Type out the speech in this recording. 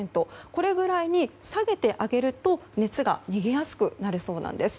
これぐらいに下げてあげると熱が逃げやすくなるそうです。